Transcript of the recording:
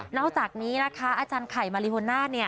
อกจากนี้นะคะอาจารย์ไข่มาริโฮน่าเนี่ย